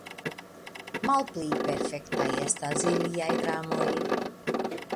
Malpli perfektaj estas iliaj dramoj!